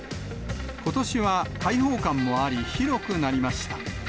ことしは開放感もあり、広くなりました。